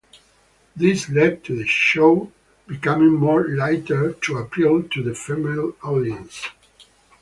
This led to the show becoming more 'lighter' to appeal to the female audiences.